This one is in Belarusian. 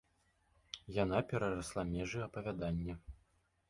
Яна перарасла межы апавядання.